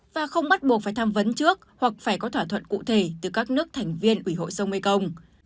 và không bắt buộc phải tham vấn trước hoặc phải có thỏa thuận cụ thể từ các nước thành viên ủy hội sông mekong